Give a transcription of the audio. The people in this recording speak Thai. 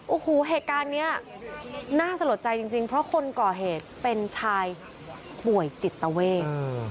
โอ้โหเหตุการณ์นี้น่าสะลดใจจริงเพราะคนก่อเหตุเป็นชายป่วยจิตเวท